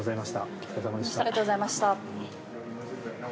お疲れさまでした。